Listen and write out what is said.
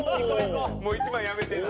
もう１万やめてな。